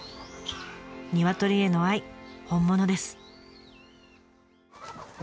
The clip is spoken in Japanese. ニワトリへの愛本物です。